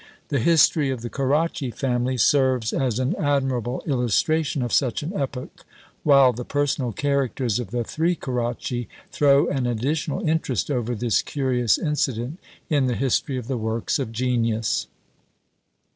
The history of the Caracci family serves as an admirable illustration of such an epoch, while the personal characters of the three Caracci throw an additional interest over this curious incident in the history of the works of genius.